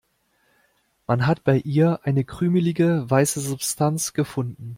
Man hat bei ihr eine krümelige, weiße Substanz gefunden.